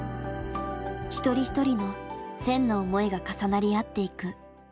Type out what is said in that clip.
一人一人の１，０００の思いが重なり合っていく。